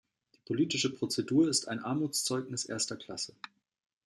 Die politische Prozedur ist ein Armutszeugnis erster Klasse.